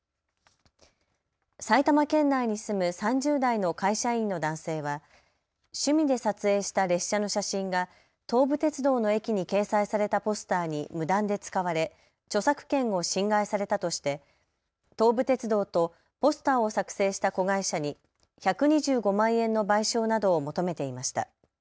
埼玉県内に住む３０代の会社員の男性は趣味で撮影した列車の写真が東武鉄道の駅に掲載されたポスターに無断で使われ著作権を侵害されたとして東武鉄道とポスターを作成した子会社に１２５万円の賠償などを求めていました。